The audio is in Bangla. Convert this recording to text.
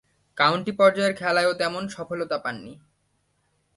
কাউন্টি পর্যায়ের খেলায়ও তেমন সফলতা পাননি।